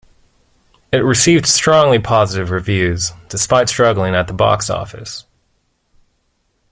It received strongly positive reviews despite struggling at the box office.